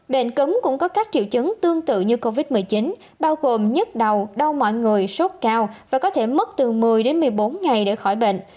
bệnh cúng cũng có các triệu chứng tương tự như covid một mươi chín bao gồm nhức đau mọi người sốt cao và có thể mất từ một mươi đến một mươi bốn ngày để khỏi bệnh